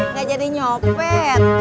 nggak jadi nyopet